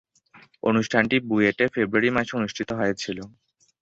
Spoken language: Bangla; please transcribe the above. অনুষ্ঠানটি বুয়েটে ফেব্রুয়ারি মাসে অনুষ্ঠিত হয়েছিলো।